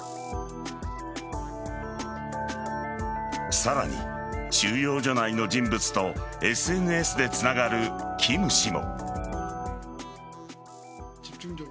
さらに、収容所内の人物とＳＮＳでつながるキム氏も。